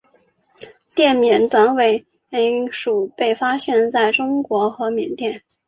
滇缅短尾鼩被发现在中国和缅甸。